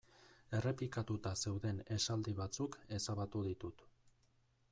Errepikatuta zeuden esaldi batzuk ezabatu ditut.